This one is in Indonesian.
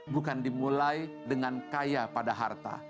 bukan dimulai dengan kaya pada harta